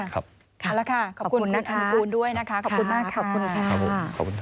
ค่ะแล้วค่ะขอบคุณนะคะขอบคุณด้วยนะคะขอบคุณมากขอบคุณค่ะ